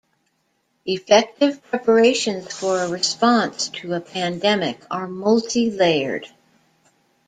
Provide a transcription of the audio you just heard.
Effective preparations for a response to a pandemic are multi-layered.